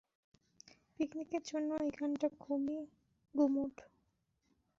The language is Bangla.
পিকনিকের জন্য এখানটা খুবই গুমোট।